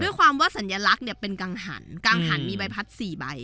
ความว่าสัญลักษณ์เนี่ยเป็นกังหันกางหันมีใบพัดสี่ใบ